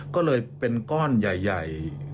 ก็เลยเป็นก้อนใหญ่